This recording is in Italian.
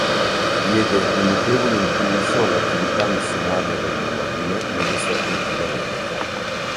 Diede un notevole impulso all'attività missionaria dell'ordine negli Stati Uniti d'America.